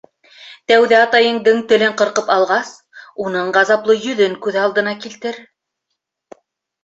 Тәүҙә атайыңдың телен ҡырҡып алғас, уның ғазаплы йөҙөн күҙ алдына килтер.